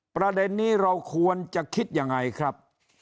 ประเด็นนี้เราควรจะคิดยังไงครับ